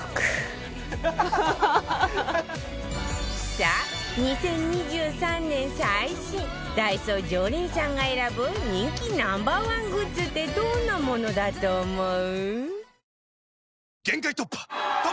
さあ２０２３年最新ダイソー常連さんが選ぶ人気 Ｎｏ．１ グッズってどんなものだと思う？